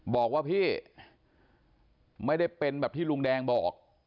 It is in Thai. บอกว่าพี่ไม่ได้เป็นแบบที่ลุงแดงบอก